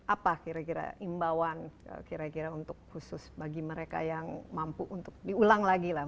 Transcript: apa kira kira imbauan kira kira untuk khusus bagi mereka yang mampu untuk diulang lagi lah